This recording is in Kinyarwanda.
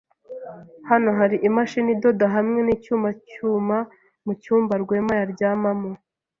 Hano hari imashini idoda hamwe nicyuma cyuma mucyumba Rwema yaryamamo.